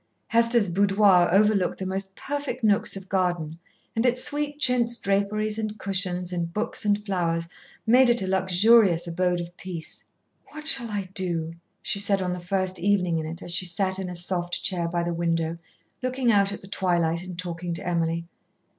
Hester's boudoir overlooked the most perfect nooks of garden, and its sweet chintz draperies and cushions and books and flowers made it a luxurious abode of peace. "What shall I do," she said on the first evening in it as she sat in a soft chair by the window, looking out at the twilight and talking to Emily.